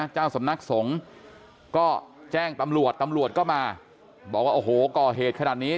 เจ้าสำนักสงฆ์ก็แจ้งตำรวจตำรวจก็มาบอกว่าโอ้โหก่อเหตุขนาดนี้